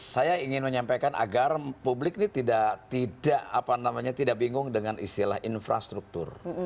saya ingin menyampaikan agar publik ini tidak bingung dengan istilah infrastruktur